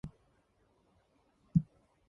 The term was coined by astrophysicist Kim Griest.